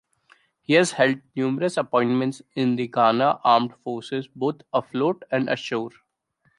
He has held numerous appointments in the Ghana Armed Forces both afloat and ashore.